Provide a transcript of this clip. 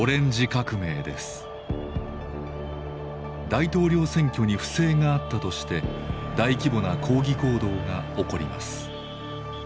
大統領選挙に不正があったとして大規模な抗議行動が起こります。